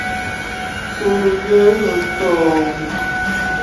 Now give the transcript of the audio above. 不約而同